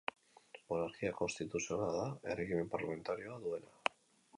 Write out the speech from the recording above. Monarkia konstituzionala da, erregimen parlamentarioa duena.